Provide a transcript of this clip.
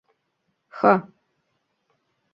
Х